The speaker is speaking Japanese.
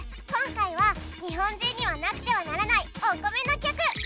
今回は日本人にはなくてはならないお米の曲。